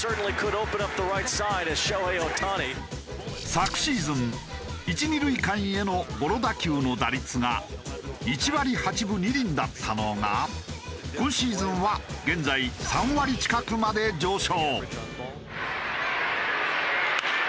昨シーズン１・２塁間へのゴロ打球の打率が１割８分２厘だったのが今シーズンは現在３割近くまで上昇。